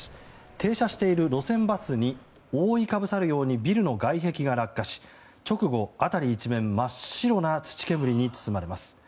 停車している路線バスに覆いかぶさるようにビルの外壁が落下し直後、辺り一面真っ白な土煙に包まれます。